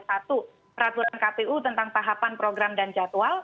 satu peraturan kpu tentang tahapan program dan jadwal